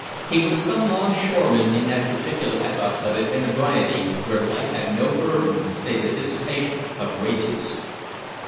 He was some longshoreman in that particular epoch of his inebriety where life had no burden save the dissipation of wages.